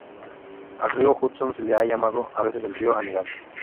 Al río Hudson se le llama a veces el "río anegado".